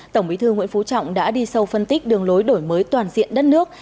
tổng bí thư nguyễn phú trọng đã đi sâu phân tích đường lối đổi mới toàn diện đất nước